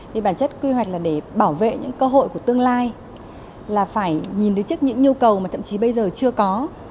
thì bản chất quy hoạch là để bảo vệ những cơ hội của tương lai là phải nhìn đến trước những nhu cầu mà thậm chí bây giờ chưa có